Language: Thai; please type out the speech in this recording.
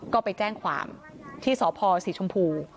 ก็ไปแจ้งความที่สพศรีชมพู